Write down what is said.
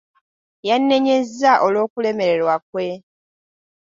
Yannenyezza olw'okulemererwa kwe.